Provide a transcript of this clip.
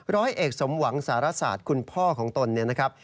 ร้อยเอกสมหวังสารสาธิ์คุณพ่อของตนนะครับ